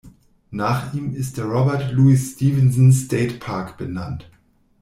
Nach ihm ist der "Robert Louis Stevenson State Park" benannt.